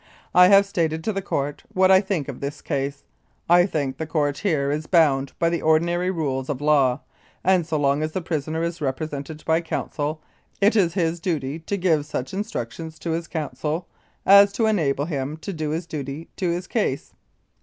I have stated to the Court what I think of this case. I think the Court here is bound by the ordinary rules of law, and so long as the prisoner is represented by counsel, it is his duty to give such instructions to his counsel as to enable him to do his duty to his case.